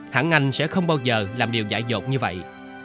hẳn anh sẽ không bao giờ làm điều dại dột như vậy